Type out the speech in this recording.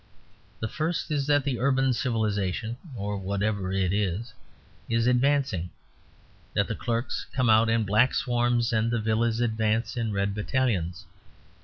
The first is that the urban civilisation (or whatever it is) is advancing; that the clerks come out in black swarms and the villas advance in red battalions.